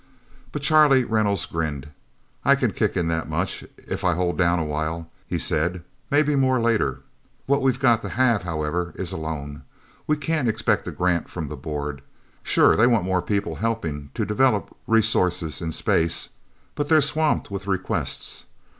But Charlie Reynolds grinned. "I can kick in that much, if I hold down a while," he said. "Maybe more, later. What we've got to have, however, is a loan. We can't expect a grant from the Board. Sure they want more people helping to develop resources in space, but they're swamped with requests.